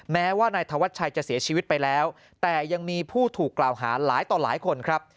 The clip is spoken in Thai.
แม้ว่านายธวัชชัยจะเสียชีวิตไปแล้วแต่ยังมีผู้ถูกกล่าวหาหลายต่อหลายคนครับ